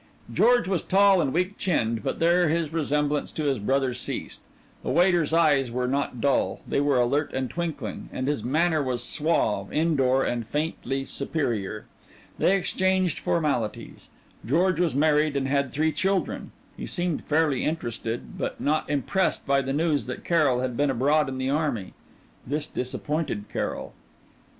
George was tall and weak chinned, but there his resemblance to his brother ceased. The waiter's eyes were not dull, they were alert and twinkling, and his manner was suave, in door, and faintly superior. They exchanged formalities. George was married and had three children. He seemed fairly interested, but not impressed by the news that Carrol had been abroad in the army. This disappointed Carrol.